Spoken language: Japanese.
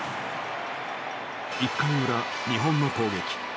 １回の裏日本の攻撃。